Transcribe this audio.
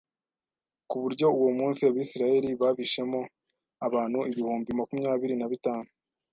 ku buryo uwo munsi Abisirayeli babishemo abantu ibihumbi makumyabiri na bitanu